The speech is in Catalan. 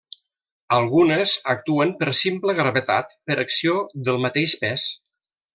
Algunes actuen per simple gravetat, per acció del mateix pes.